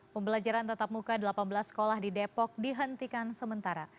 pembelajaran tatap muka delapan belas sekolah di depok dihentikan sementara